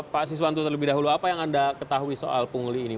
pak siswanto terlebih dahulu apa yang anda ketahui soal pungli ini